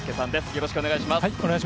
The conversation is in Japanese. よろしくお願いします。